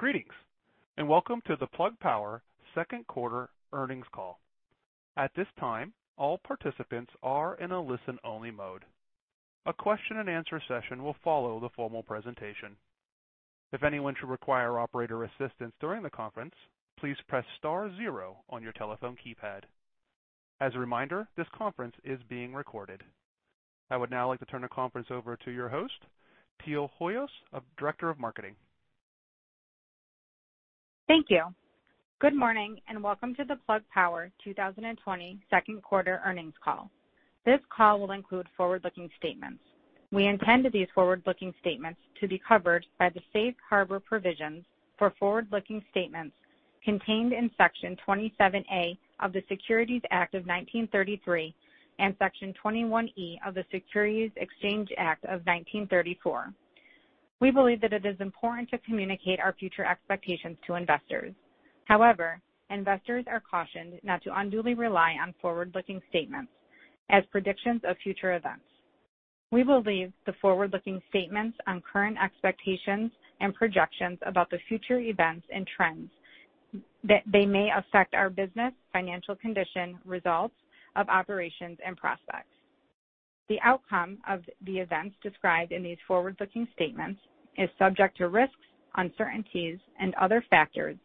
Greetings, welcome to the Plug Power Second Quarter Earnings Call. At this time, all participants are in a listen-only mode. A question and answer session will follow the formal presentation. If anyone should require operator assistance during the conference, please press star zero on your telephone keypad. As a reminder, this conference is being recorded. I would now like to turn the conference over to your host, Teal Hoyos, Director of Marketing. Thank you. Good morning, and welcome to the Plug Power 2020 Second Quarter Earnings Call. This call will include forward-looking statements. We intend these forward-looking statements to be covered by the safe harbor provisions for forward-looking statements contained in Section 27A of the Securities Act of 1933 and Section 21E of the Securities Exchange Act of 1934. We believe that it is important to communicate our future expectations to investors. However, investors are cautioned not to unduly rely on forward-looking statements as predictions of future events. We believe the forward-looking statements on current expectations and projections about the future events and trends, they may affect our business, financial condition, results of operations, and prospects. The outcome of the events described in these forward-looking statements is subject to risks, uncertainties, and other factors,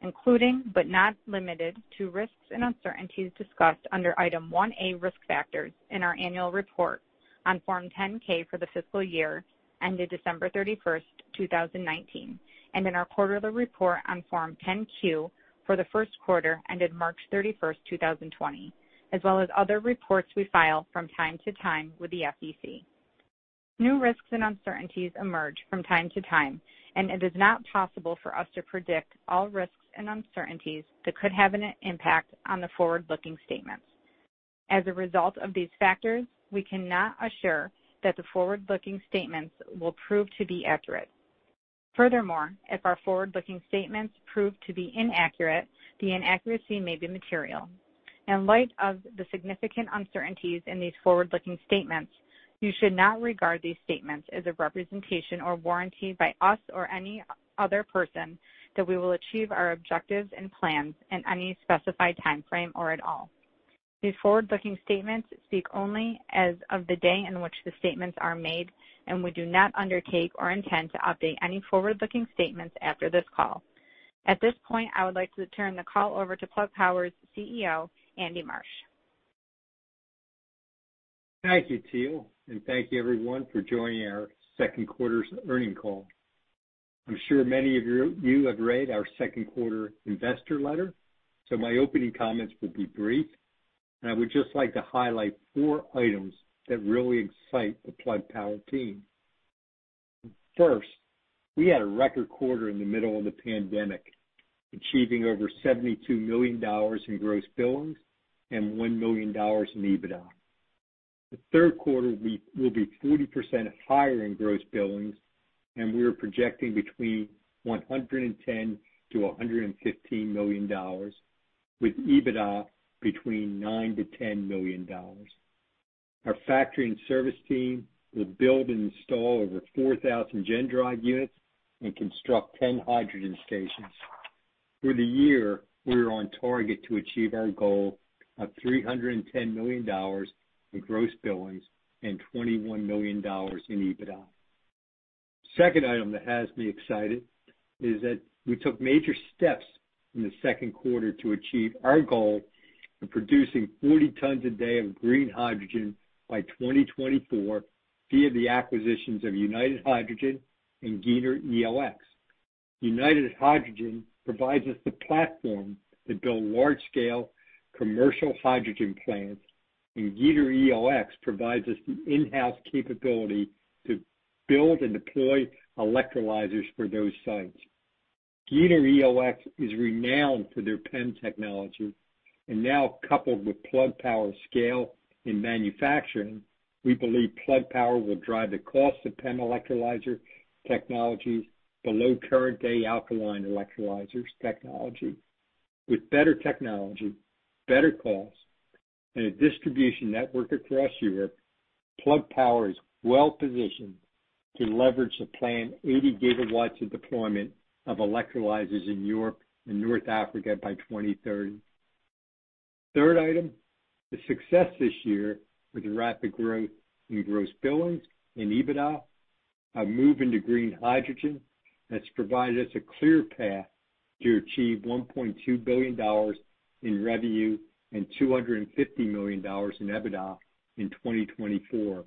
including but not limited to risks and uncertainties discussed under Item 1A, Risk Factors, in our annual report on Form 10-K for the fiscal year ended December 31st, 2019, and in our quarterly report on Form 10-Q for the first quarter ended March 31st, 2020, as well as other reports we file from time to time with the SEC. New risks and uncertainties emerge from time to time, and it is not possible for us to predict all risks and uncertainties that could have an impact on the forward-looking statements. As a result of these factors, we cannot assure that the forward-looking statements will prove to be accurate. Furthermore, if our forward-looking statements prove to be inaccurate, the inaccuracy may be material. In light of the significant uncertainties in these forward-looking statements, you should not regard these statements as a representation or warranty by us or any other person that we will achieve our objectives and plans in any specified timeframe or at all. These forward-looking statements speak only as of the day in which the statements are made, and we do not undertake or intend to update any forward-looking statements after this call. At this point, I would like to turn the call over` to Plug Power's CEO, Andy Marsh. Thank you, Teal, and thank you, everyone, for joining our second quarter's earnings call. I'm sure many of you have read our second quarter investor letter, so my opening comments will be brief, and I would just like to highlight four items that really excite the Plug Power team. First, we had a record quarter in the middle of the pandemic, achieving over $72 million in gross billings and $1 million in EBITDA. The third quarter will be 40% higher in gross billings, and we are projecting between $110 million-$115 million, with EBITDA between $9 million-$10 million. Our factory and service team will build and install over 4,000 GenDrive units and construct 10 hydrogen stations. Through the year, we are on target to achieve our goal of $310 million in gross billings and $21 million in EBITDA. Second item that has me excited is that we took major steps in the second quarter to achieve our goal of producing 40 tons a day of green hydrogen by 2024 via the acquisitions of United Hydrogen and Giner ELX. United Hydrogen provides us the platform to build large-scale commercial hydrogen plants, and Giner ELX provides us the in-house capability to build and deploy electrolyzers for those sites. Giner ELX is renowned for their PEM technology, and now coupled with Plug Power's scale in manufacturing, we believe Plug Power will drive the cost of PEM electrolyzer technologies below current day alkaline electrolyzers technology. With better technology, better cost, and a distribution network across Europe, Plug Power is well-positioned to leverage the planned 80 GW of deployment of electrolyzers in Europe and North Africa by 2030. Third item, the success this year with the rapid growth in gross billings and EBITDA are moving to green hydrogen. That's provided us a clear path to achieve $1.2 billion in revenue and $250 million in EBITDA in 2024.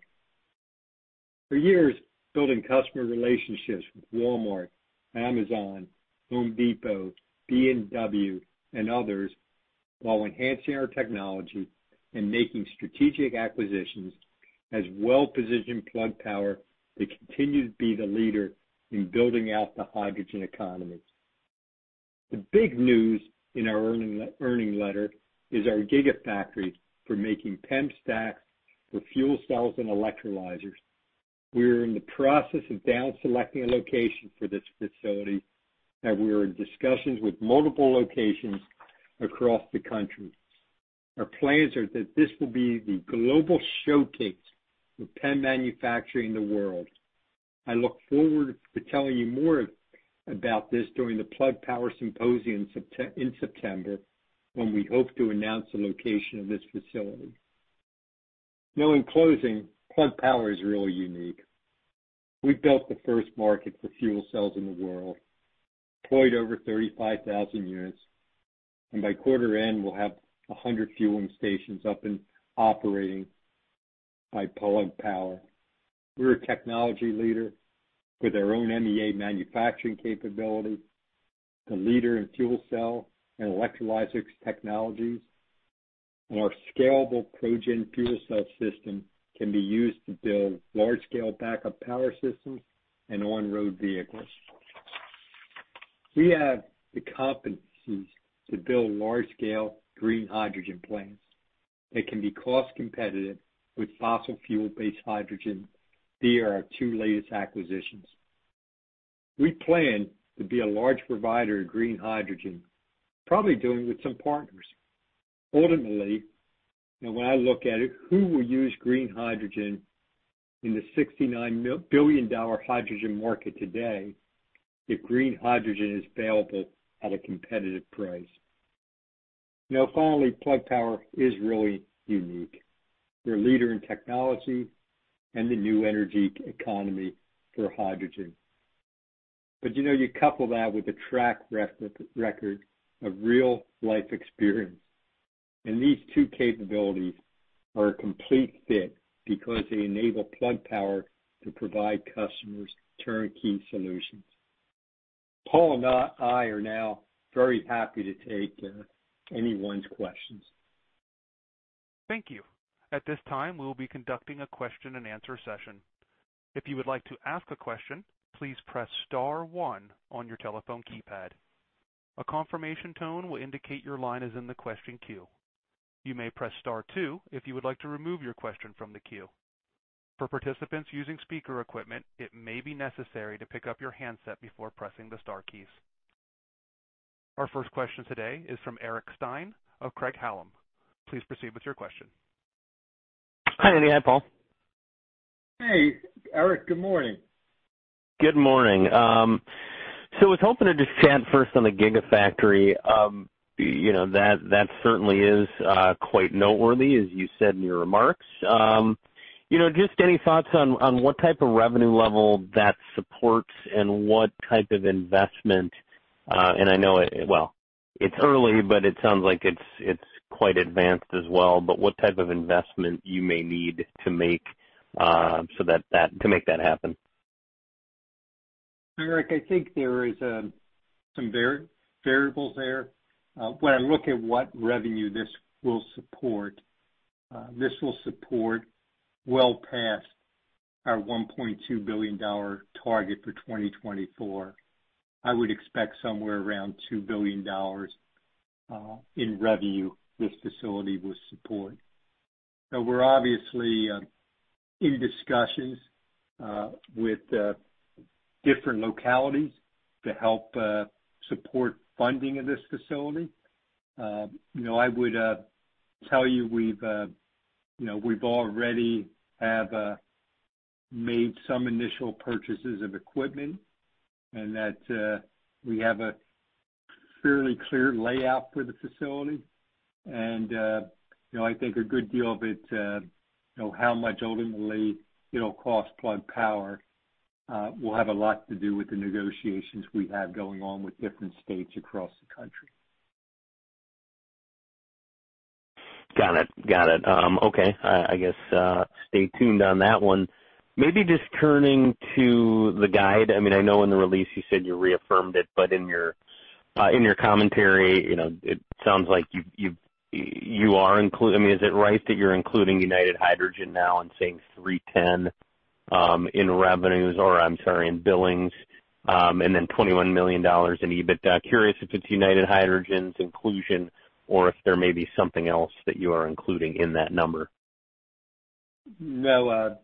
For years, building customer relationships with Walmart, Amazon, Home Depot, BMW, and others while enhancing our technology and making strategic acquisitions has well-positioned Plug Power to continue to be the leader in building out the hydrogen economy. The big news in our earnings letter is our gigafactory for making PEM stacks for fuel cells and electrolyzers. We are in the process of down selecting a location for this facility, and we are in discussions with multiple locations across the country. Our plans are that this will be the global showcase for PEM manufacturing in the world. I look forward to telling you more about this during the Plug Power Symposium in September, when we hope to announce the location of this facility. Now, in closing, Plug Power is really unique. We built the first market for fuel cells in the world, deployed over 35,000 units, and by quarter end, we'll have 100 fueling stations up and operating by Plug Power. We're a technology leader with our own MEA manufacturing capability, the leader in fuel cell and electrolyzers technologies, and our scalable ProGen fuel cell system can be used to build large-scale backup power systems and on-road vehicles. We have the competencies to build large-scale green hydrogen plants that can be cost competitive with fossil fuel-based hydrogen. They are our two latest acquisitions. We plan to be a large provider of green hydrogen, probably doing it with some partners. Ultimately, when I look at it, who will use green hydrogen in the $69 billion hydrogen market today if green hydrogen is available at a competitive price? Finally, Plug Power is really unique. We're a leader in technology and the new energy economy for hydrogen. You couple that with a track record of real-life experience, and these two capabilities are a complete fit because they enable Plug Power to provide customers turnkey solutions. Paul and I are now very happy to take anyone's questions. Our first question today is from Eric Stine of Craig-Hallum. Please proceed with your question. Hi, Andy. Hi, Paul. Hey, Eric. Good morning. Good morning. I was hoping to just chat first on the gigafactory. That certainly is quite noteworthy, as you said in your remarks. Just any thoughts on what type of revenue level that supports and what type of investment, and I know it Well, it's early, but it sounds like it's quite advanced as well, but what type of investment you may need to make to make that happen? Eric, I think there is some variables there. When I look at what revenue this will support, this will support well past our $1.2 billion target for 2024. I would expect somewhere around $2 billion in revenue, this facility will support. We're obviously in discussions with different localities to help support funding of this facility. I would tell you we've already have made some initial purchases of equipment and that we have a fairly clear layout for the facility. I think a good deal of it, how much ultimately it'll cost Plug Power, will have a lot to do with the negotiations we have going on with different states across the country. Got it. Okay. I guess stay tuned on that one. Just turning to the guide. I know in the release you said you reaffirmed it, but in your commentary, it sounds like you are including. Is it right that you're including United Hydrogen now and saying $310 in revenues, or I'm sorry, in billings, and then $21 million in EBIT? Curious if it's United Hydrogen's inclusion or if there may be something else that you are including in that number. No,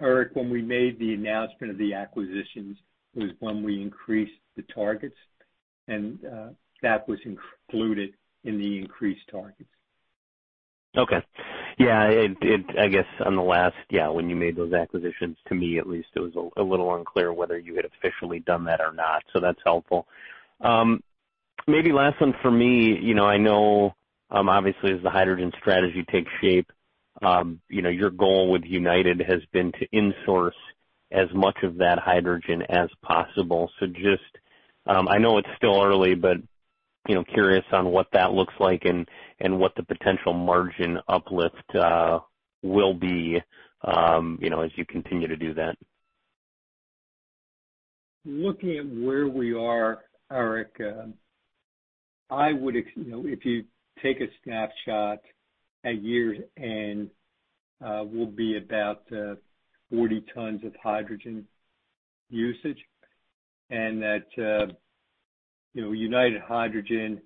Eric, when we made the announcement of the acquisitions was when we increased the targets, and that was included in the increased targets. I guess on the last, yeah, when you made those acquisitions, to me at least, it was a little unclear whether you had officially done that or not. That's helpful. Maybe last one for me. I know, obviously, as the hydrogen strategy takes shape, your goal with United has been to insource as much of that hydrogen as possible. Just, I know it's still early, but curious on what that looks like and what the potential margin uplift will be as you continue to do that. Looking at where we are, Eric, if you take a snapshot at year's end, we'll be about 40 tons of hydrogen usage, and that United Hydrogen,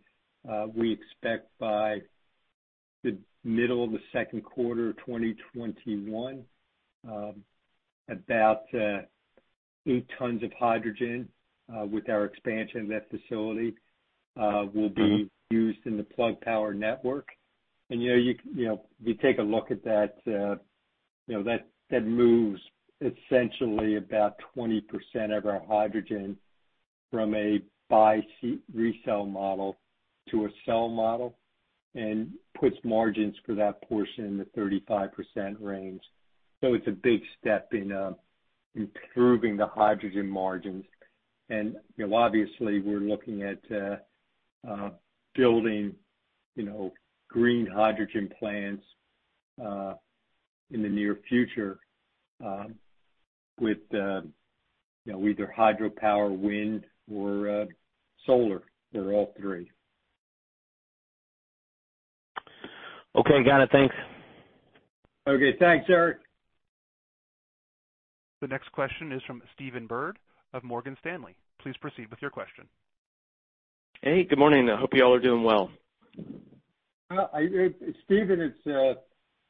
we expect by the middle of the second quarter of 2021, about 8 tons of hydrogen with our expansion of that facility will be used in the Plug Power network. If you take a look at that moves essentially about 20% of our hydrogen from a buy resell model to a sell model and puts margins for that portion in the 35% range. It's a big step in improving the hydrogen margins. Obviously, we're looking at building green hydrogen plants in the near future with either hydropower, wind or solar, or all three. Okay. Got it. Thanks. Okay. Thanks, Eric. The next question is from Stephen Byrd of Morgan Stanley. Please proceed with your question. Hey, good morning. I hope you all are doing well. Stephen,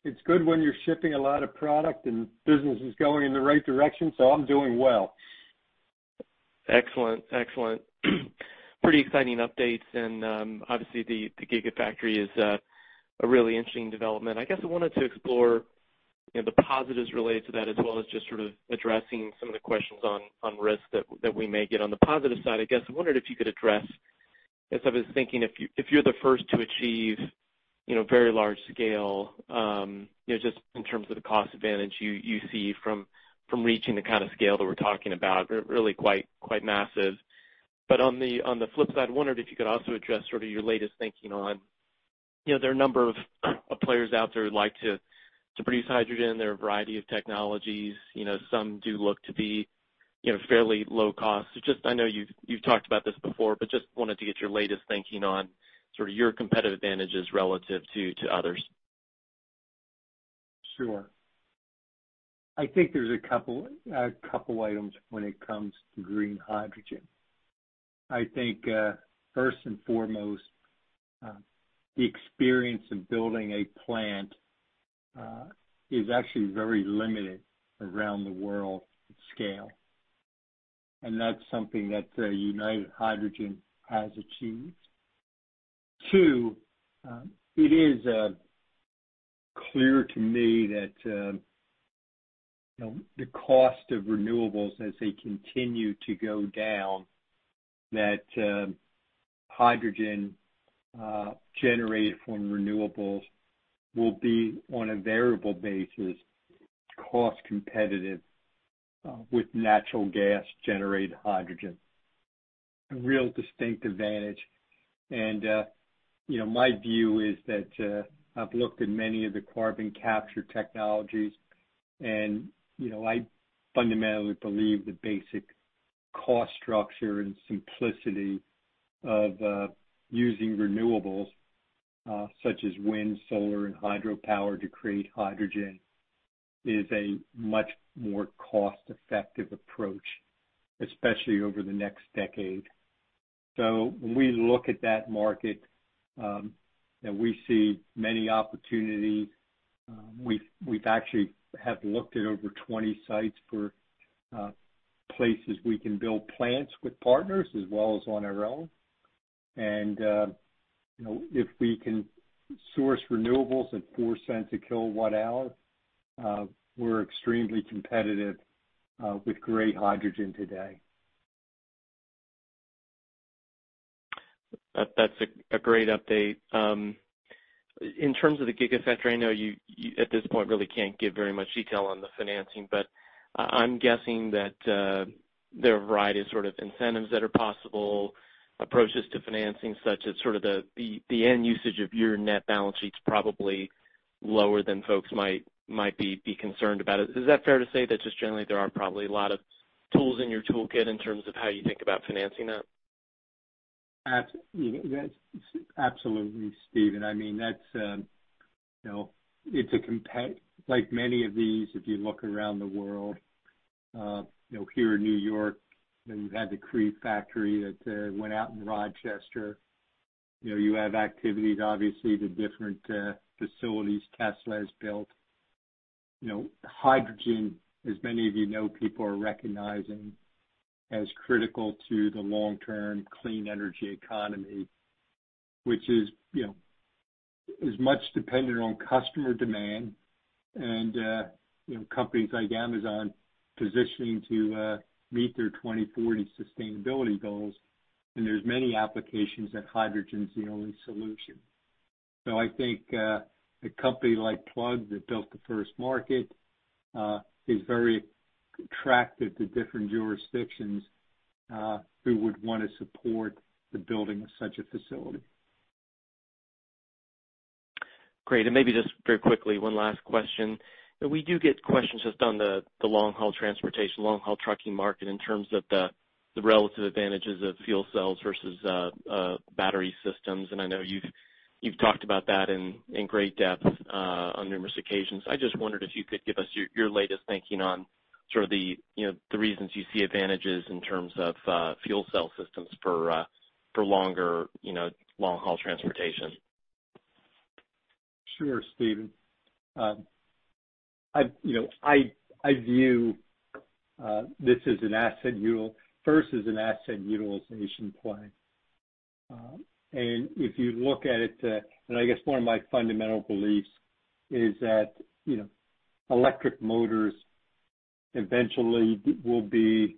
it's good when you're shipping a lot of product, and business is going in the right direction, so I'm doing well. Excellent. Pretty exciting updates. Obviously the gigafactory is a really interesting development. I guess I wanted to explore the positives related to that, as well as just sort of addressing some of the questions on risk that we may get. On the positive side, I guess I wondered if you could address, as I was thinking, if you're the first to achieve very large scale, just in terms of the cost advantage you see from reaching the kind of scale that we're talking about, really quite massive. On the flip side, wondered if you could also address sort of your latest thinking on there are a number of players out there who'd like to produce hydrogen. There are a variety of technologies. Some do look to be fairly low cost. I know you've talked about this before, but just wanted to get your latest thinking on sort of your competitive advantages relative to others. Sure. I think there's a couple items when it comes to green hydrogen. I think, first and foremost, the experience of building a plant is actually very limited around the world at scale, and that's something that United Hydrogen has achieved. Two, it is clear to me that the cost of renewables as they continue to go down, that hydrogen generated from renewables will be, on a variable basis, cost competitive with natural gas-generated hydrogen. A real distinct advantage. My view is that I've looked at many of the carbon capture technologies, and I fundamentally believe the basic cost structure and simplicity of using renewables such as wind, solar, and hydropower to create hydrogen is a much more cost-effective approach, especially over the next decade. When we look at that market, we see many opportunities. We actually have looked at over 20 sites for places we can build plants with partners as well as on our own. If we can source renewables at $0.04 a kilowatt hour, we're extremely competitive with gray hydrogen today. That's a great update. In terms of the gigafactory, I know you, at this point, really can't give very much detail on the financing, but I'm guessing that there are a variety of incentives that are possible approaches to financing, such as sort of the end usage of your net balance sheet's probably lower than folks might be concerned about. Is that fair to say that just generally there are probably a lot of tools in your toolkit in terms of how you think about financing that? Absolutely, Stephen. Like many of these, if you look around the world, here in New York, you had the Cree factory that went out in Rochester. You have activities, obviously, the different facilities Tesla has built. Hydrogen, as many of you know, people are recognizing as critical to the long-term clean energy economy, which is much dependent on customer demand and companies like Amazon positioning to meet their 2040 sustainability goals, there's many applications that hydrogen's the only solution. I think a company like Plug that built the first market is very attractive to different jurisdictions who would want to support the building of such a facility. Great, maybe just very quickly, one last question. We do get questions just on the long-haul transportation, long-haul trucking market in terms of the relative advantages of fuel cells versus battery systems, and I know you've talked about that in great depth on numerous occasions. I just wondered if you could give us your latest thinking on sort of the reasons you see advantages in terms of fuel cell systems for long-haul transportation. Sure, Stephen. If you look at it, and I guess one of my fundamental beliefs is that electric motors eventually will be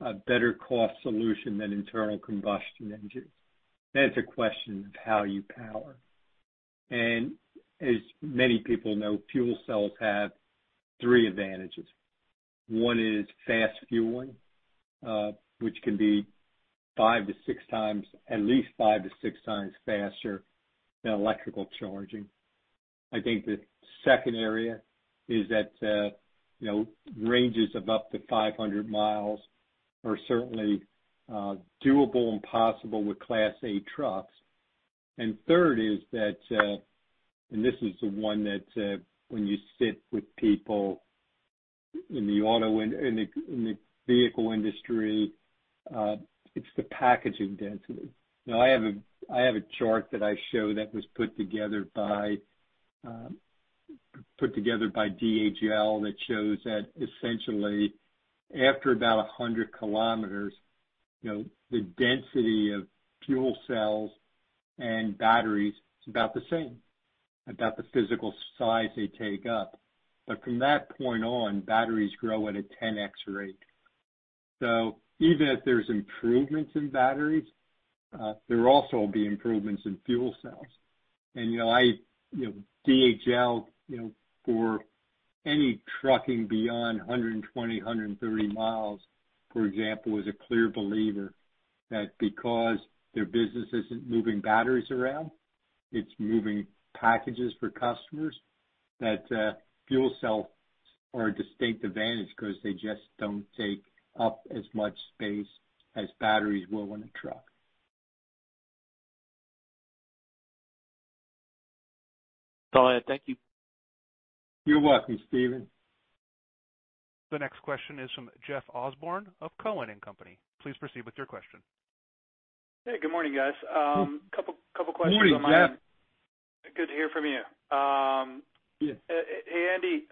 a better cost solution than internal combustion engines. It's a question of how you power. As many people know, fuel cells have three advantages. One is fast fueling, which can be at least 5x to 6x faster than electrical charging. I think the second area is that ranges of up to 500 mi are certainly doable and possible with Class 8 trucks. Third is that, and this is the one that when you sit with people in the vehicle industry, it's the packaging density. Now I have a chart that I show that was put together by DHL that shows that essentially after about 100 km, the density of fuel cells and batteries is about the same, about the physical size they take up. From that point on, batteries grow at a 10x rate. Even if there's improvements in batteries, there also will be improvements in fuel cells. DHL, for any trucking beyond 120 mi, 130 mi, for example, is a clear believer that because their business isn't moving batteries around, it's moving packages for customers, that fuel cells are a distinct advantage because they just don't take up as much space as batteries will in a truck. All right. Thank you. You're welcome, Stephen. The next question is from Jeff Osborne of Cowen and Company. Please proceed with your question. Hey, good morning, guys. Couple questions on my end. Morning, Jeff. Good to hear from you. Yeah. Hey, Andy,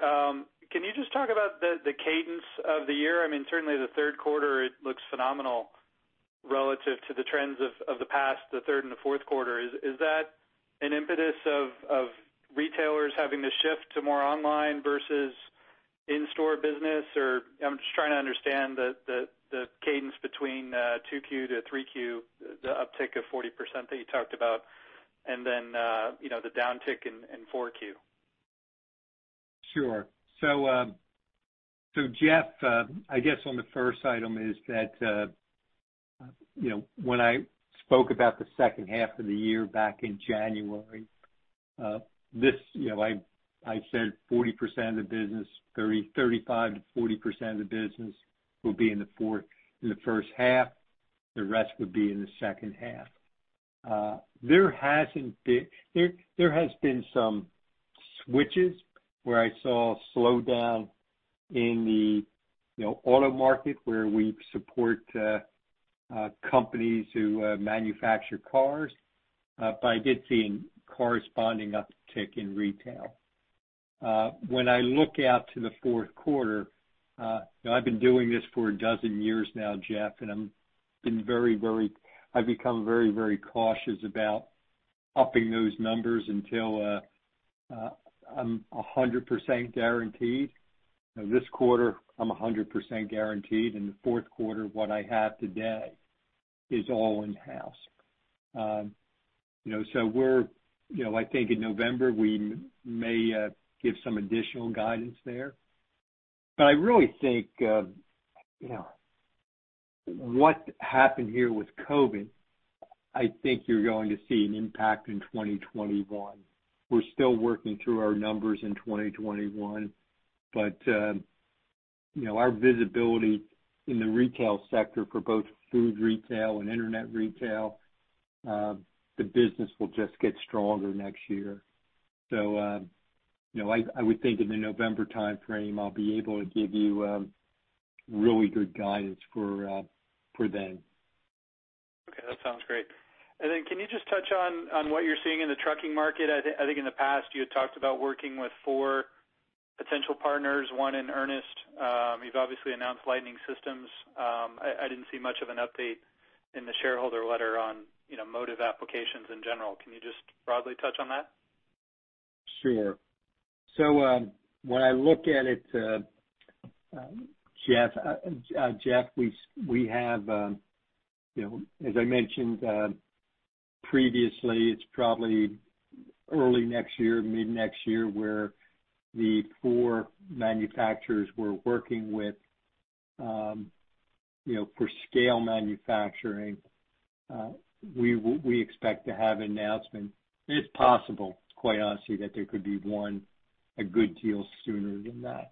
can you just talk about the cadence of the year? Certainly the third quarter looks phenomenal relative to the trends of the past, the third and the fourth quarter. Is that an impetus of retailers having to shift to more online versus in-store business? I'm just trying to understand the cadence between 2Q to 3Q, the uptick of 40% that you talked about, and then the downtick in 4Q. Sure. Jeff, I guess on the first item is that when I spoke about the second half of the year back in January, I said 35%-40% of the business will be in the first half, the rest would be in the second half. There has been some switches where I saw a slowdown in the auto market where we support companies who manufacture cars. I did see a corresponding uptick in retail. When I look out to the fourth quarter, I've been doing this for a dozen years now, Jeff. I've become very cautious about upping those numbers until I'm 100% guaranteed. This quarter, I'm 100% guaranteed. In the fourth quarter, what I have today is all in house. I think in November, we may give some additional guidance there. I really think what happened here with COVID, I think you're going to see an impact in 2021. We're still working through our numbers in 2021. Our visibility in the retail sector for both food retail and internet retail, the business will just get stronger next year. I would think in the November timeframe, I'll be able to give you really good guidance for then. Okay. That sounds great. Can you just touch on what you're seeing in the trucking market? I think in the past you had talked about working with four potential partners, one in earnest. You've obviously announced Lightning eMotors. I didn't see much of an update in the shareholder letter on motive applications in general. Can you just broadly touch on that? Sure. When I look at it, Jeff, as I mentioned previously, it's probably early next year, mid next year where the four manufacturers we're working with for scale manufacturing, we expect to have an announcement. It's possible, quite honestly, that there could be one a good deal sooner than that.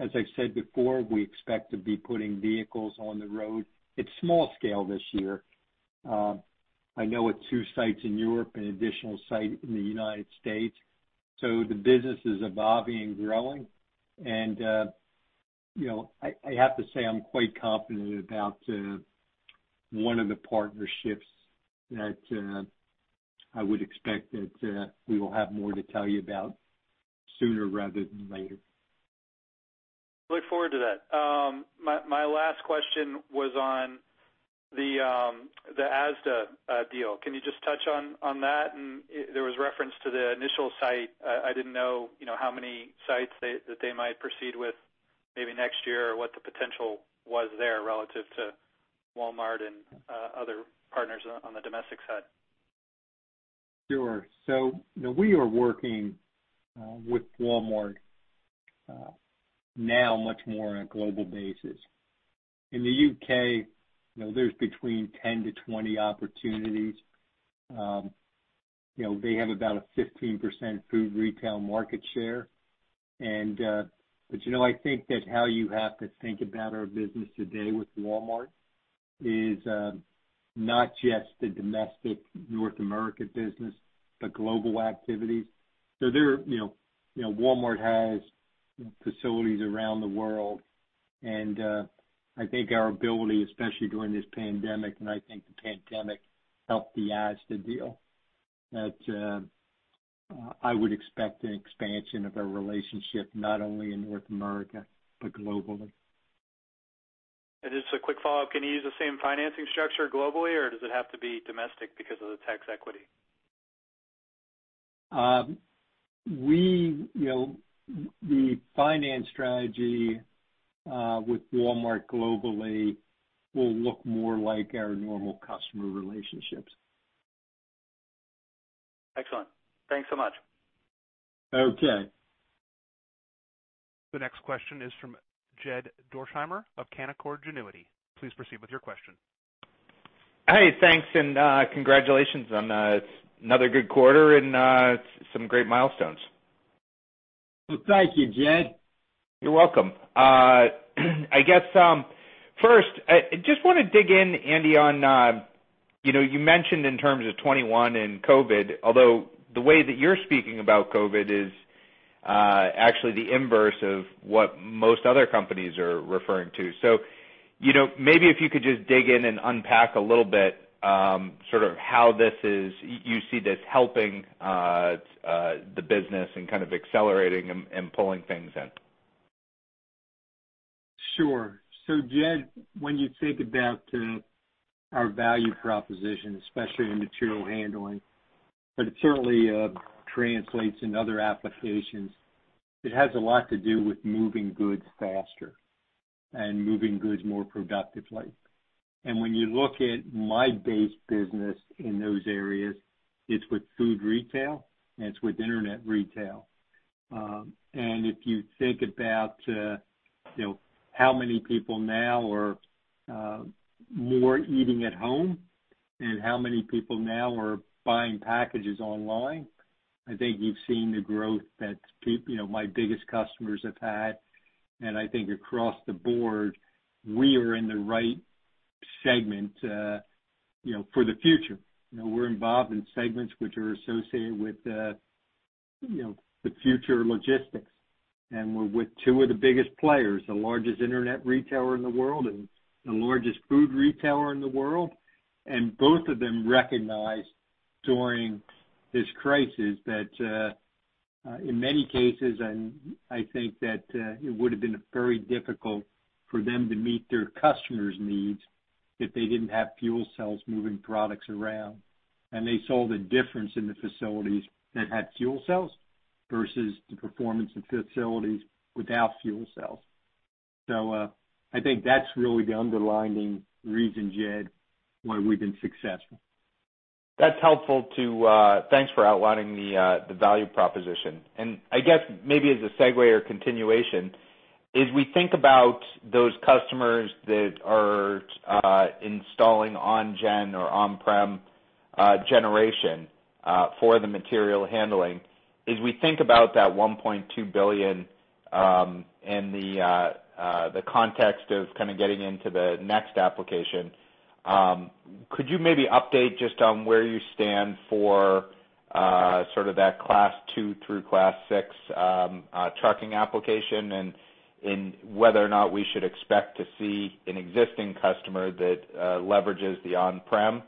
As I said before, we expect to be putting vehicles on the road. It's small scale this year. I know at two sites in Europe and additional site in the U.S. The business is evolving and growing, and I have to say, I'm quite confident about one of the partnerships that I would expect that we will have more to tell you about sooner rather than later. Look forward to that. My last question was on the Asda deal. Can you just touch on that? There was reference to the initial site. I didn't know how many sites that they might proceed with maybe next year or what the potential was there relative to Walmart and other partners on the domestic side. Sure. We are working with Walmart now much more on a global basis. In the U.K., there's between 10 to 20 opportunities. They have about a 15% food retail market share. I think that how you have to think about our business today with Walmart is not just the domestic North America business, but global activities. Walmart has facilities around the world, and I think our ability, especially during this pandemic, and I think the pandemic helped the Asda deal, that I would expect an expansion of our relationship, not only in North America, but globally. Just a quick follow-up, can you use the same financing structure globally, or does it have to be domestic because of the tax equity? The finance strategy with Walmart globally will look more like our normal customer relationships. Excellent. Thanks so much. Okay. The next question is from Jed Dorsheimer of Canaccord Genuity. Please proceed with your question. Hey, thanks. Congratulations on another good quarter and some great milestones. Well, thank you, Jed. You're welcome. I guess, first, I just want to dig in, Andy, on, you mentioned in terms of 2021 and COVID, although the way that you're speaking about COVID is actually the inverse of what most other companies are referring to. Maybe if you could just dig in and unpack a little bit, sort of how you see this helping the business and kind of accelerating and pulling things in. Sure. Jed, when you think about our value proposition, especially in material handling, but it certainly translates in other applications, it has a lot to do with moving goods faster and moving goods more productively. When you look at my base business in those areas, it's with food retail, and it's with Internet retail. If you think about how many people now are more eating at home and how many people now are buying packages online, I think you've seen the growth that my biggest customers have had, and I think across the board, we are in the right segment for the future. We're involved in segments which are associated with the future of logistics, and we're with two of the biggest players, the largest Internet retailer in the world and the largest food retailer in the world. Both of them recognized during this crisis that, in many cases, and I think that it would've been very difficult for them to meet their customers' needs if they didn't have fuel cells moving products around. They saw the difference in the facilities that had fuel cells versus the performance of facilities without fuel cells. I think that's really the underlying reason, Jed, why we've been successful. That's helpful. Thanks for outlining the value proposition. I guess maybe as a segue or continuation, as we think about those customers that are installing on-gen or on-prem generation for the material handling, as we think about that $1.2 billion in the context of kind of getting into the next application, could you maybe update just on where you stand for sort of that Class 2 through Class 6 trucking application, and whether or not we should expect to see an existing customer that leverages the on-prem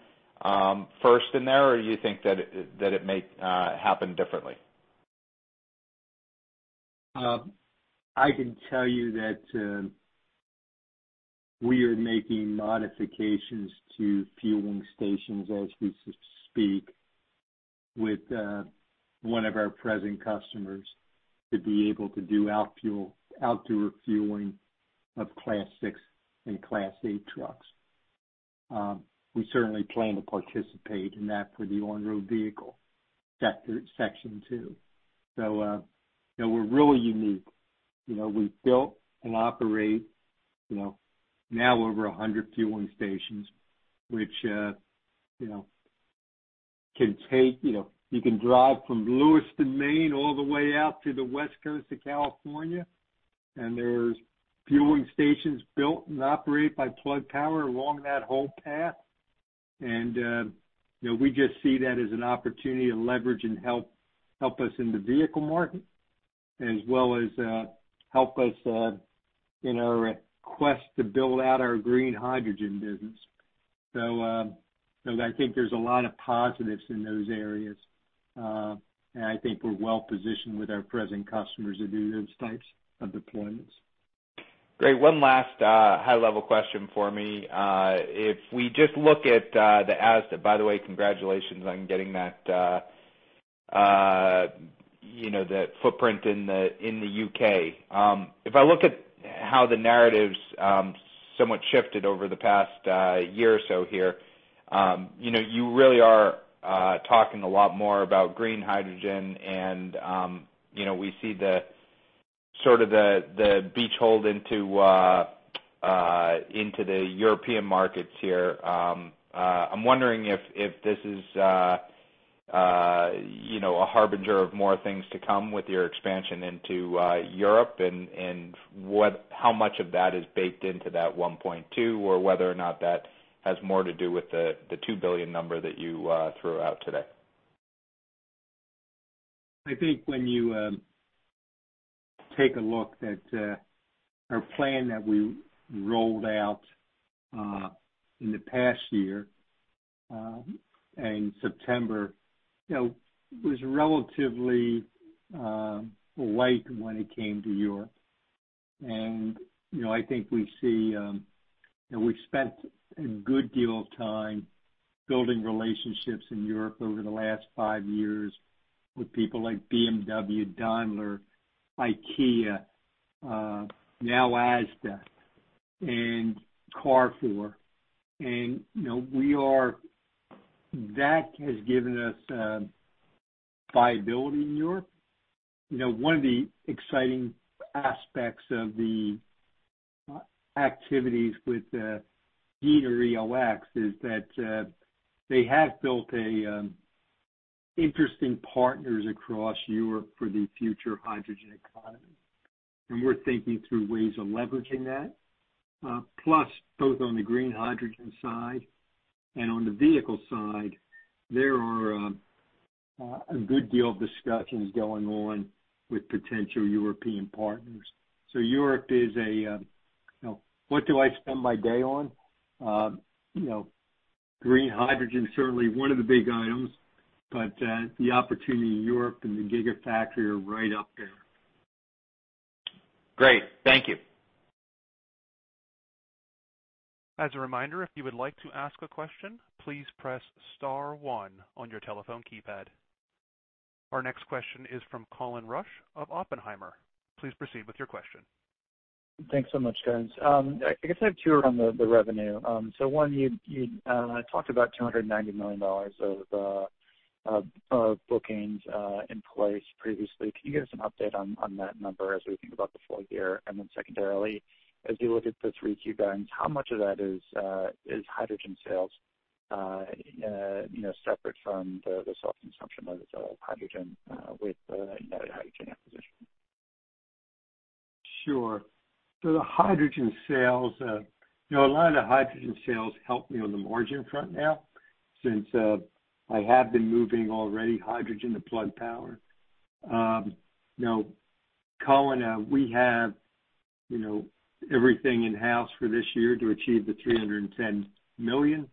first in there, or you think that it may happen differently? I can tell you that we are making modifications to fueling stations as we speak with one of our present customers to be able to do outdoor fueling of Class 6 and Class 8 trucks. We certainly plan to participate in that for the on-road vehicle, sector, too. We're really unique. We've built and operate now over 100 fueling stations, which you can drive from Lewiston, Maine, all the way out to the West Coast of California, and there's fueling stations built and operate by Plug Power along that whole path. We just see that as an opportunity to leverage and help us in the vehicle market, as well as help us in our quest to build out our green hydrogen business. I think there's a lot of positives in those areas, and I think we're well-positioned with our present customers to do those types of deployments. Great. One last high-level question for me. By the way, congratulations on getting that footprint in the U.K. If I look at how the narrative's somewhat shifted over the past year or so here, you really are talking a lot more about green hydrogen and we see the beachhead into the European markets here. I'm wondering if this is a harbinger of more things to come with your expansion into Europe, how much of that is baked into that 1.2 or whether or not that has more to do with the $2 billion number that you threw out today. I think when you take a look at our plan that we rolled out in the past year, in September, it was relatively light when it came to Europe. I think we've spent a good deal of time building relationships in Europe over the last five years with people like BMW, Daimler, IKEA, now Asda, and Carrefour. That has given us viability in Europe. One of the exciting aspects of the activities with Giner ELX is that they have built interesting partners across Europe for the future hydrogen economy, and we're thinking through ways of leveraging that. Both on the green hydrogen side and on the vehicle side, there are a good deal of discussions going on with potential European partners. Europe is What do I spend my day on? Green hydrogen is certainly one of the big items, but the opportunity in Europe and the gigafactory are right up there. Great. Thank you. As a reminder, if you would like to ask a question, please press star one on your telephone keypad. Our next question is from Colin Rusch of Oppenheimer. Please proceed with your question. Thanks so much, guys. I guess I have two around the revenue. One, you talked about $290 million of bookings in place previously. Can you give us an update on that number as we think about the full year? Then secondarily, as you look at the 3Q guidance, how much of that is hydrogen sales separate from the self-consumption of hydrogen with United Hydrogen acquisition? Sure. A lot of the hydrogen sales help me on the margin front now, since I have been moving already hydrogen to Plug Power. Colin, we have everything in-house for this year to achieve the $310 million,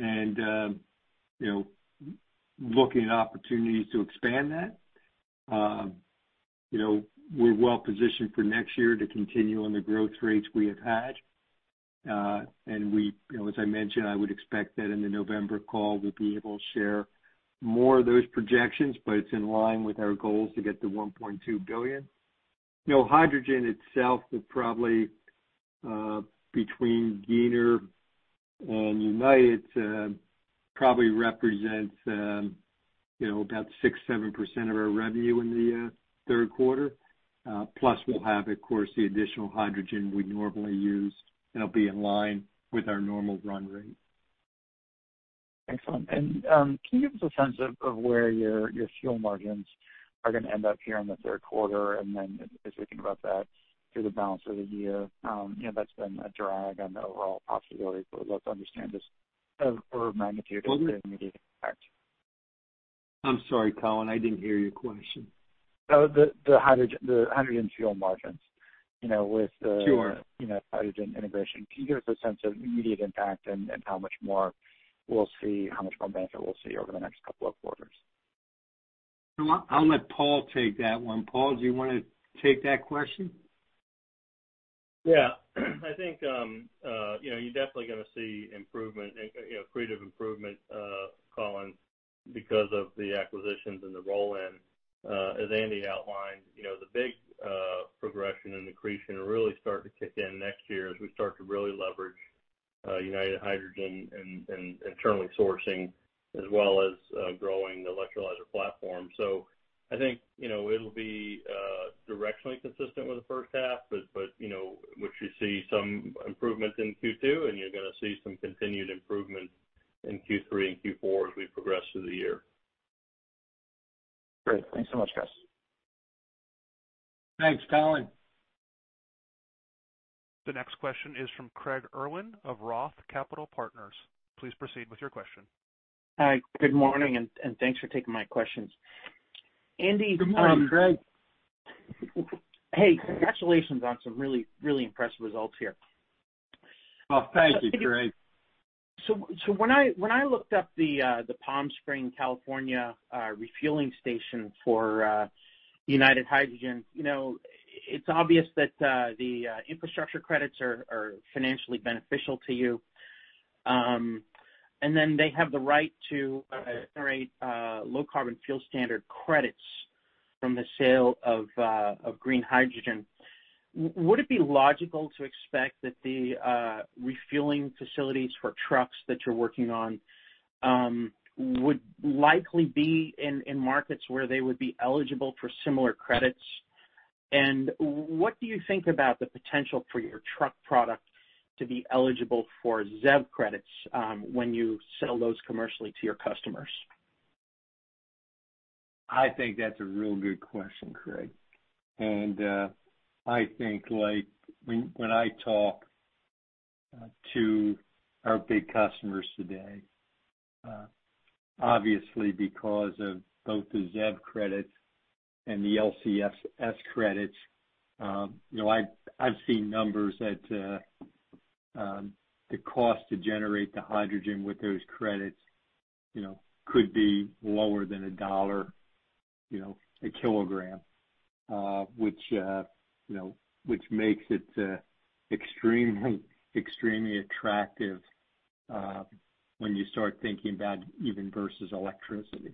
and looking at opportunities to expand that. We're well-positioned for next year to continue on the growth rates we have had. As I mentioned, I would expect that in the November call, we'll be able to share more of those projections, but it's in line with our goals to get to $1.2 billion. Hydrogen itself is probably between Giner and United, probably represents about 6%-7% of our revenue in the third quarter. We'll have, of course, the additional hydrogen we normally use, and it'll be in line with our normal run rate. Excellent. Can you give us a sense of where your fuel margins are going to end up here in the third quarter? As we think about that through the balance of the year, that's been a drag on the overall profitability, but I'd love to understand this order of magnitude and the immediate impact. I'm sorry, Colin, I didn't hear your question. The hydrogen fuel margins. Sure hydrogen integration. Can you give us a sense of immediate impact and how much more benefit we'll see over the next couple of quarters? I'll let Paul take that one. Paul, do you want to take that question? Yeah. I think you're definitely going to see accretive improvement, Colin, because of the acquisitions and the roll-in. As Andy outlined, the big progression and accretion will really start to kick in next year as we start to really leverage United Hydrogen and internally sourcing as well as growing the electrolyzer platform. I think it'll be directionally consistent with the first half, but what you see some improvement in Q2, and you're going to see some continued improvement in Q3 and Q4 as we progress through the year. Great. Thanks so much, guys. Thanks, Colin. The next question is from Craig Irwin of ROTH Capital Partners. Please proceed with your question. Hi. Good morning, and thanks for taking my questions. Good morning, Craig. Hey, congratulations on some really impressive results here. Well, thank you, Craig. When I looked up the Palm Springs, California refueling station for United Hydrogen, it's obvious that the infrastructure credits are financially beneficial to you. They have the right to generate Low Carbon Fuel Standard credits from the sale of green hydrogen. Would it be logical to expect that the refueling facilities for trucks that you're working on would likely be in markets where they would be eligible for similar credits? What do you think about the potential for your truck product to be eligible for ZEV credits when you sell those commercially to your customers? I think that's a real good question, Craig. I think when I talk to our big customers today, obviously because of both the ZEV credits and the LCFS credits, I've seen numbers that the cost to generate the hydrogen with those credits could be lower than $1 a kilogram, which makes it extremely attractive, when you start thinking about even versus electricity.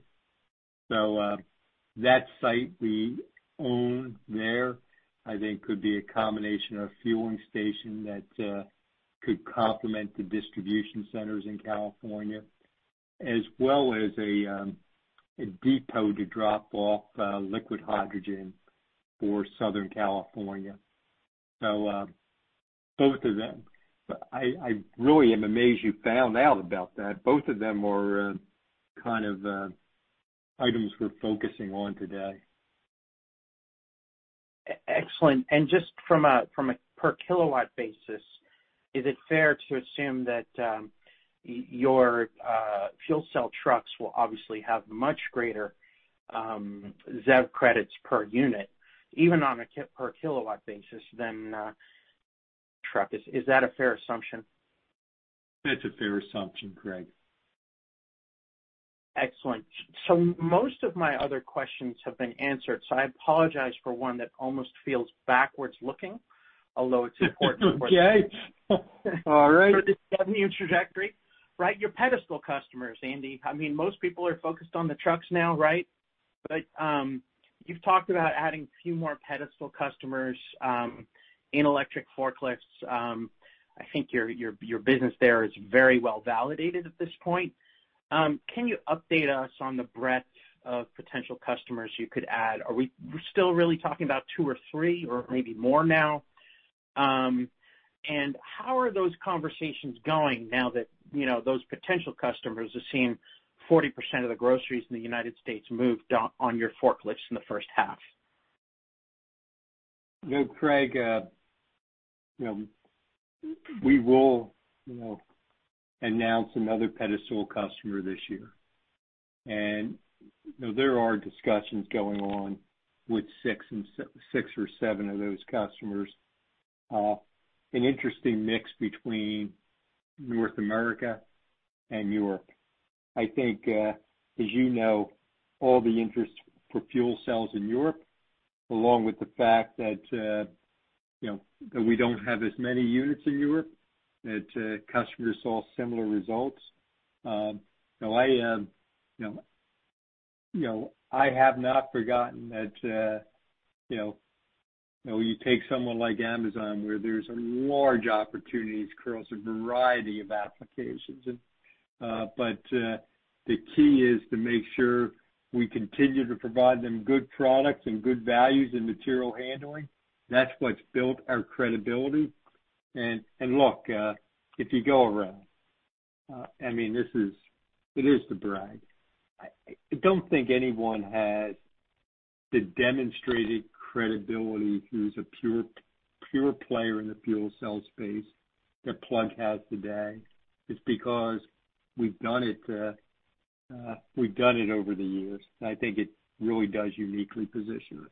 That site we own there, I think could be a combination of fueling station that could complement the distribution centers in California, as well as a depot to drop off liquid hydrogen for Southern California. Both of them. I really am amazed you found out about that. Both of them are kind of items we're focusing on today. Excellent. Just from a per kilowatt basis, is it fair to assume that your fuel cell trucks will obviously have much greater ZEV credits per unit, even on a per kilowatt basis than a truck? Is that a fair assumption? That's a fair assumption, Craig. Excellent. Most of my other questions have been answered, so I apologize for one that almost feels backwards looking, although it's important. Okay. All right. for this revenue trajectory, right? Your pedestal customers, Andy. Most people are focused on the trucks now, right? You've talked about adding a few more pedestal customers in electric forklifts. I think your business there is very well-validated at this point. Can you update us on the breadth of potential customers you could add? Are we still really talking about two or three or maybe more now? How are those conversations going now that those potential customers are seeing 40% of the groceries in the U.S. moved on your forklifts in the first half? Craig, we will announce another pedestal customer this year. There are discussions going on with six or seven of those customers. An interesting mix between North America and Europe. I think, as you know, all the interest for fuel cells in Europe, along with the fact that we don't have as many units in Europe, that customers saw similar results. I have not forgotten that when you take someone like Amazon, where there's large opportunities across a variety of applications. The key is to make sure we continue to provide them good products and good values in material handling. That's what's built our credibility. Look, if you go around, it is to brag. I don't think anyone has the demonstrated credibility who's a pure player in the fuel cell space that Plug has today. It's because we've done it over the years, and I think it really does uniquely position us.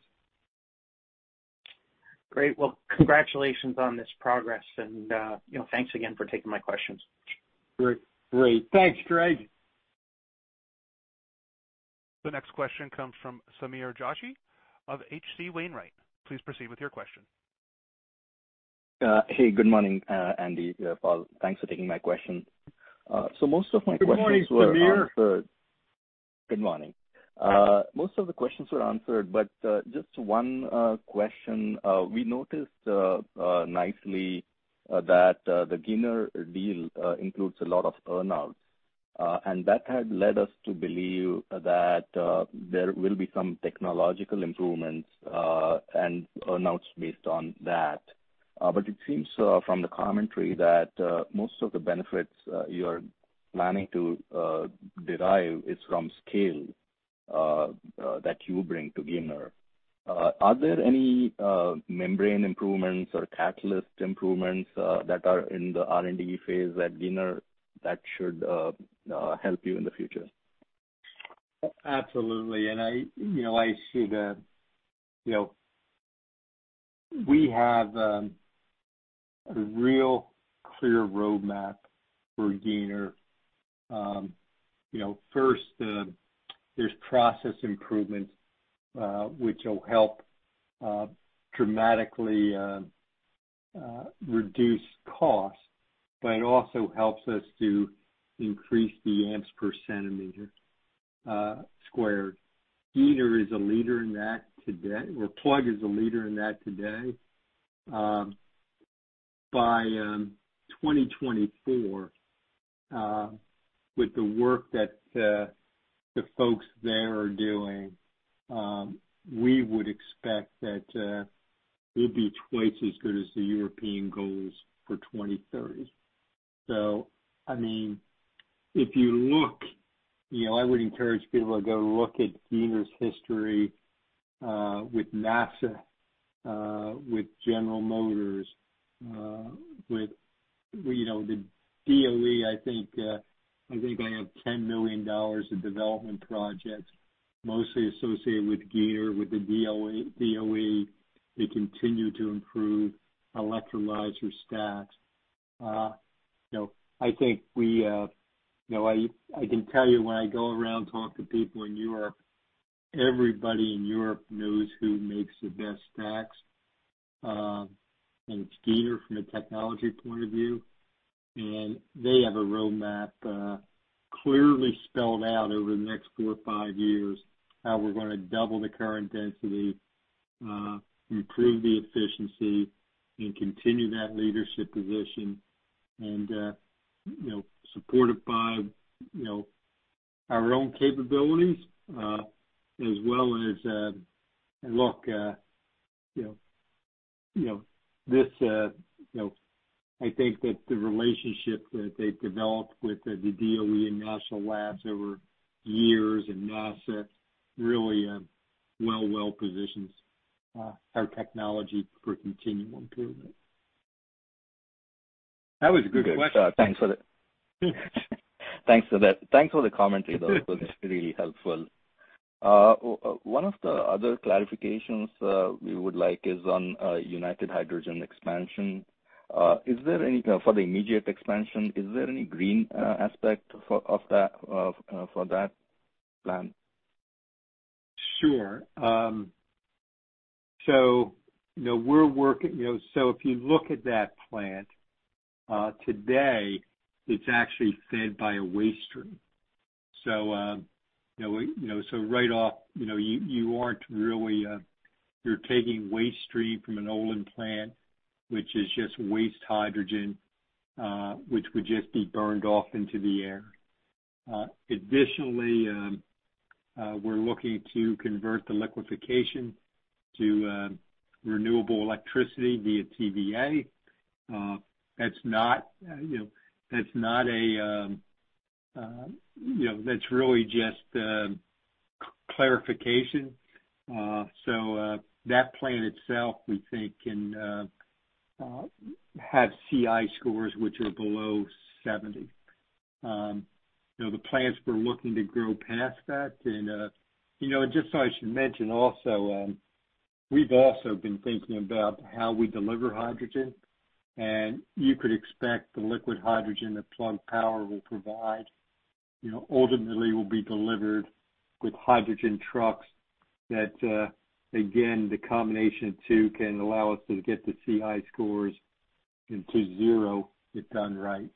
Great. Well, congratulations on this progress, and thanks again for taking my questions. Great. Thanks, Craig. The next question comes from Sameer Joshi of H.C. Wainwright. Please proceed with your question. Good morning, Andy, Paul. Thanks for taking my question. Most of my questions were answered. Good morning, Sameer. Good morning. Most of the questions were answered, just one question. We noticed nicely that the Giner deal includes a lot of earn-outs, and that had led us to believe that there will be some technological improvements, and earn-outs based on that. It seems from the commentary that most of the benefits you're planning to derive is from scale that you bring to Giner. Are there any membrane improvements or catalyst improvements that are in the R&D phase at Giner that should help you in the future? Absolutely. I see that we have a real clear roadmap for Giner. First, there's process improvements, which will help dramatically reduce cost, but it also helps us to increase the amps per centimeter squared. Plug is a leader in that today. By 2024, with the work that the folks there are doing, we would expect that we'll be twice as good as the European goals for 2030. If you look, I would encourage people to go look at Giner's history with NASA, with General Motors, with the DoE. I think they have $10 million of development projects, mostly associated with Giner, with the DoE. They continue to improve electrolyzer stacks. I can tell you when I go around talking to people in Europe, everybody in Europe knows who makes the best stacks, it's Giner from a technology point of view. They have a roadmap clearly spelled out over the next four or five years, how we're going to double the current density, improve the efficiency, and continue that leadership position and supported by our own capabilities as well as I think that the relationship that they've developed with the DoE and national labs over years, and NASA, really well positions our technology for continued improvement. That was a good question. Thanks for that. Thanks for the commentary, though. It was really helpful. One of the other clarifications we would like is on United Hydrogen expansion. For the immediate expansion, is there any green aspect for that plan? Sure. If you look at that plant, today, it's actually fed by a waste stream. Right off, you're taking waste stream from an Olin plant, which is just waste hydrogen, which would just be burned off into the air. Additionally, we're looking to convert the liquification to renewable electricity via TVA. That's really just clarification. That plant itself, we think can have CI scores which are below 70. The plans we're looking to grow past that and just so I should mention also, we've also been thinking about how we deliver hydrogen, and you could expect the liquid hydrogen that Plug Power will provide, ultimately will be delivered with hydrogen trucks. That, again, the combination of two can allow us to get the CI scores into zero, if done right.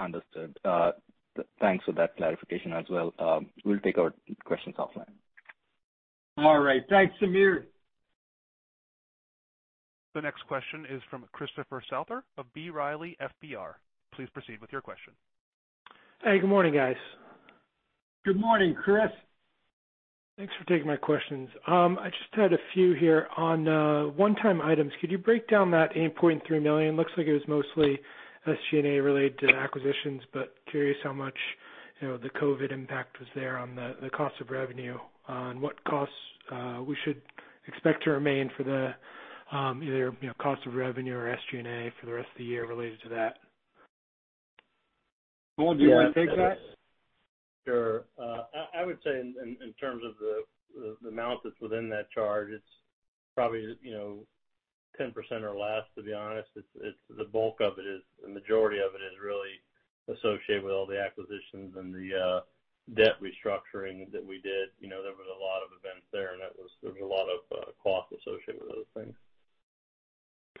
Understood. Thanks for that clarification as well. We'll take our questions offline. All right. Thanks, Sameer. The next question is from Christopher Souther of B. Riley FBR. Please proceed with your question. Hey, good morning, guys. Good morning, Chris. Thanks for taking my questions. I just had a few here on one-time items. Could you break down that $8.3 million? Looks like it was mostly SG&A related to acquisitions, but curious how much the COVID impact was there on the cost of revenue, and what costs we should expect to remain for the either cost of revenue or SG&A for the rest of the year related to that. Paul, do you want to take that? Sure. I would say in terms of the amount that's within that charge, it's probably 10% or less, to be honest. The majority of it is really associated with all the acquisitions and the debt restructuring that we did. There was a lot of events there, and there was a lot of cost associated with those things.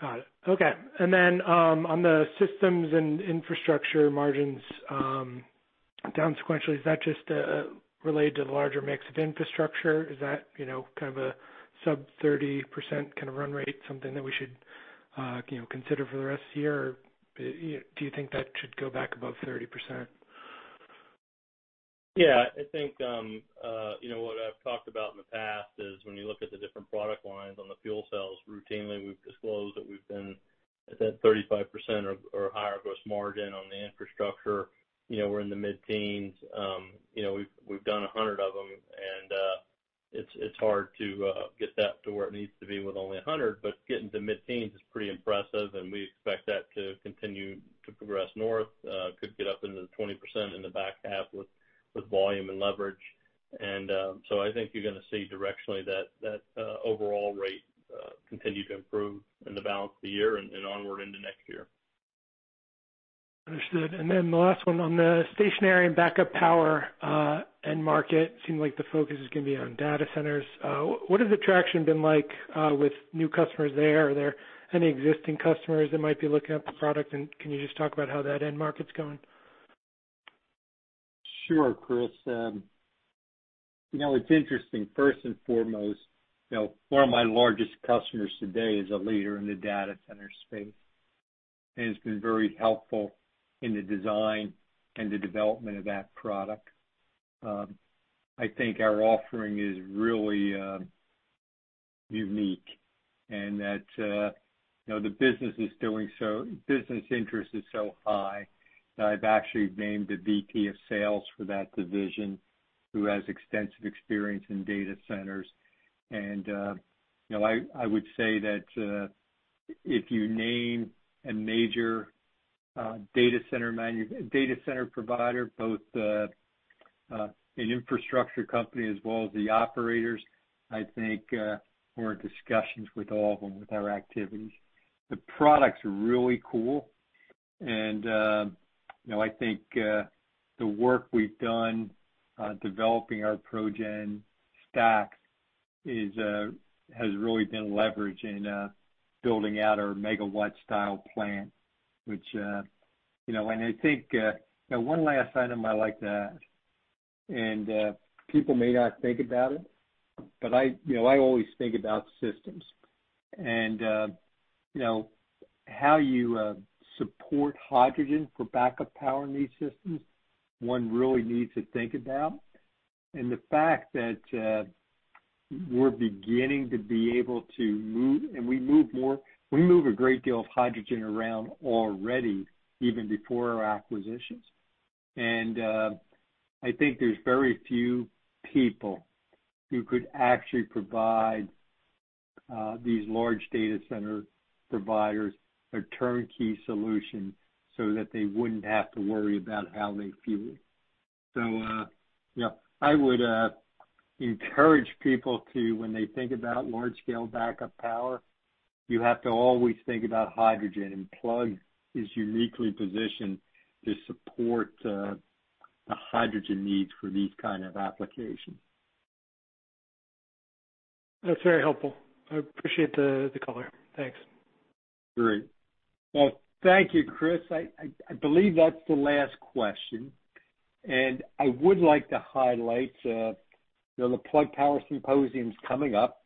Got it. Okay. On the systems and infrastructure margins, down sequentially, is that just related to the larger mix of infrastructure? Is that kind of a sub 30% kind of run rate, something that we should consider for the rest of the year? Do you think that should go back above 30%? Yeah, I think what I've talked about in the past is when you look at the different product lines on the fuel cells, routinely, we've disclosed that we've been at that 35% or higher gross margin on the infrastructure. We're in the mid-teens. We've done 100 of them, and it's hard to get that to where it needs to be with only 100, but getting to mid-teens is pretty impressive, and we expect that to continue to progress north. Could get up into 20% in the back half with volume and leverage. I think you're going to see directionally that overall rate continue to improve in the balance of the year and onward into next year. Understood. The last one, on the stationary and backup power end market, seemed like the focus is going to be on data centers. What has the traction been like with new customers there? Are there any existing customers that might be looking at the product, and can you just talk about how that end market's going? Sure, Chris. It's interesting, first and foremost, one of my largest customers today is a leader in the data center space and has been very helpful in the design and the development of that product. I think our offering is really unique and that the business interest is so high that I've actually named a VP of sales for that division who has extensive experience in data centers. I would say that if you name a major data center provider, both an infrastructure company as well as the operators, I think we're in discussions with all of them with our activities. The products are really cool and I think the work we've done developing our ProGen stack has really been leveraged in building out our megawatt style plant. One last item I like to add, people may not think about it, but I always think about systems. How you support hydrogen for backup power in these systems, one really needs to think about. The fact that we're beginning to be able to move, and we move a great deal of hydrogen around already, even before our acquisitions. I think there's very few people who could actually provide these large data center providers a turnkey solution so that they wouldn't have to worry about how they fuel it. I would encourage people to, when they think about large-scale backup power, you have to always think about hydrogen, and Plug is uniquely positioned to support the hydrogen needs for these kind of applications. That's very helpful. I appreciate the color. Thanks. Great. Well, thank you, Chris. I believe that's the last question. I would like to highlight the Plug Power Symposium's coming up.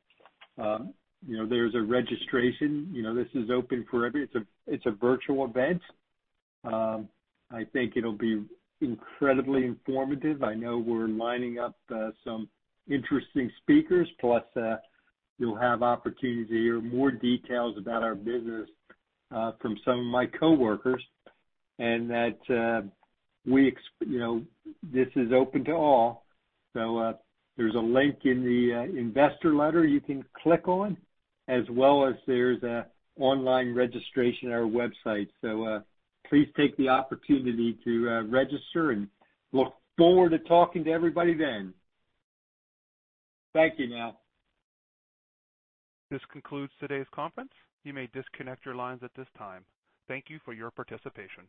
There's a registration. This is open for everybody. It's a virtual event. I think it'll be incredibly informative. I know we're lining up some interesting speakers, plus you'll have opportunity to hear more details about our business from some of my coworkers and that this is open to all. There's a link in the investor letter you can click on, as well as there's a online registration on our website. Please take the opportunity to register and look forward to talking to everybody then. Thank you now. This concludes today's conference. You may disconnect your lines at this time. Thank you for your participation.